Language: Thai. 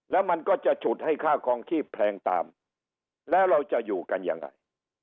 แล้วมันก็จะฉุดให้ค่าคลองชีพแพงตามแล้วเราจะอยู่กันยังไง